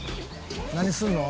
何するの？